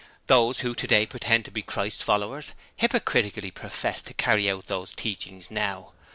Those who today pretend to be Christ's followers hypocritically profess to carry out those teachings now.